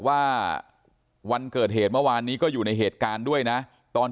ว่าวันเกิดเหตุเมื่อวานนี้ก็อยู่ในเหตุการณ์ด้วยนะตอน